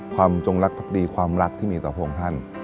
ความจงรักพักดีความรักที่มีต่อพวกท่าน